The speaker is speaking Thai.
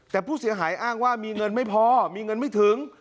แต่ผู้เสียหายอ้างว่ามีเงินไม่พอมีเงินไม่ถึง